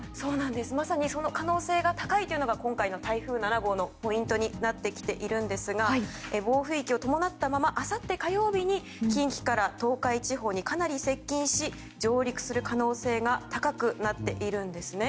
まさに、その可能性が高いというのが今回の台風７号のポイントになってきているんですが暴風域を伴ったままあさって火曜日に近畿から東海地方にかなり接近し上陸する可能性が高くなっているんです。